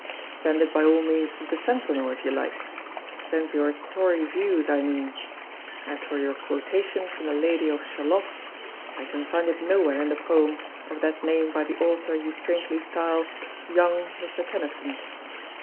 Send it, by all means, to the "Sentinel," if you like. Send your Tory views, I mean. As for your quotation from the "Lady of Shalott," I can find it nowhere in the poem of that name by the author you strangely style "young Mr. Tennyson."